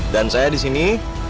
dan saya disini